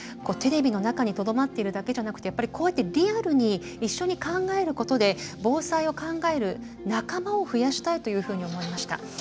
テレビの中にとどまっているだけじゃなくてやっぱりこうやってリアルに一緒に考えることで防災を考える仲間を増やしたいというふうに思いました。